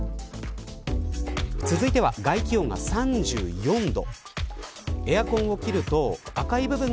続いて外気温が３４度。